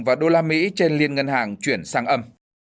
và usd trên liên ngân hàng chuyển sang âm